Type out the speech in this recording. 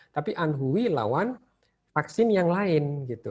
tapi anhui lawan vaksin yang lain gitu